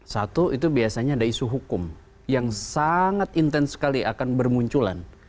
satu itu biasanya ada isu hukum yang sangat intens sekali akan bermunculan